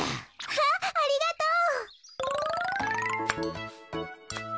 わあありがとう。